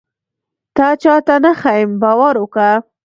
تا چاته نه ښيم باور وکه.